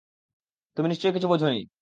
তুমি নিশ্চয়ই কিছু বোঝোনি।